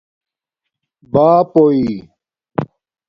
باپݸئیی